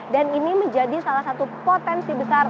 dan ini menjadi salah satu potensi besar